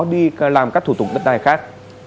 đi làm các thủ tục đất đai khác